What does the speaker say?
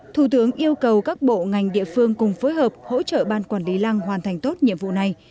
thủ tướng yêu cầu các bộ ngành địa phương cùng phối hợp hỗ trợ ban quản lý lăng hoàn thành tốt nhiệm vụ này